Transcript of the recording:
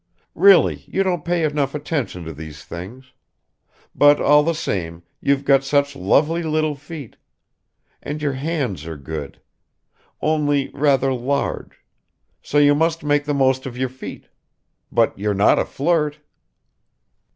Really you don't pay enough attention to these things; but all the same you've got such lovely little feet! And your hands are good ... only rather large; so you must make the most of your feet. But you're not a flirt."